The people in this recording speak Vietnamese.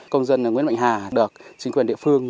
công dân nguyễn mạnh hà được chính quyền địa phương